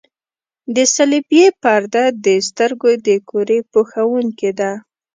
د صلبیې پرده د سترګو د کرې پوښوونکې ده.